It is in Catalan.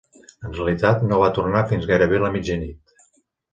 En realitat, no va tornar fins gairebé la mitjanit.